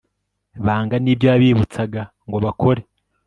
banga n ibyo yabibutsaga ngo bakore